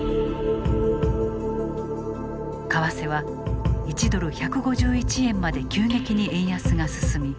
為替は１ドル１５１円まで急激に円安が進み